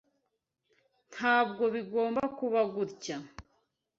Ntabwo bigomba kuba gutya.